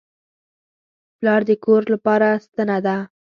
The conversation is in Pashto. پلار د کور لپاره ستنه ده.